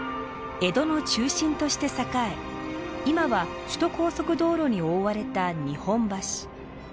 江戸の中心として栄え今は首都高速道路に覆われた日本橋。